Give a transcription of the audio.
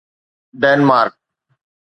Denmark